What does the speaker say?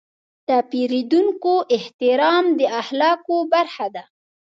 د پیرودونکو احترام د اخلاقو برخه ده.